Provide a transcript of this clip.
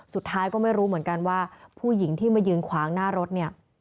สุดท้ายก็ไม่รู้เหมือนกันว่าผู้หญิงที่มายืนขวางหน้ารถเนี่ย